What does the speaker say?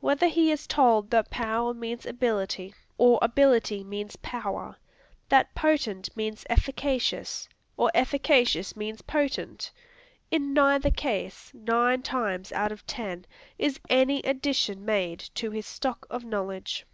Whether he is told that "power" means "ability," or "ability" means "power," that "potent" means "efficacious," or "efficacious" means "potent," in neither case, nine times out of ten, is any addition made to his stock of knowledge.